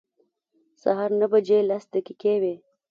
سهار نهه بجې لس دقیقې وې.